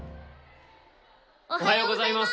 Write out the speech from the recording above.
おはようございます！